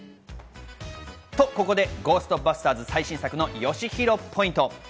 ここで『ゴーストバスターズ』最新作のよしひろポイント。